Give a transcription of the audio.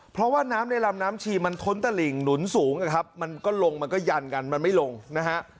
เพราะว่าน้ำในลำน้ำชีมันท้นตะหลิ่งหนุนสูงนะครับมันก็ลงมันก็ยันกันมันไม่ลงนะฮะ